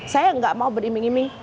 saya nggak mau beriming iming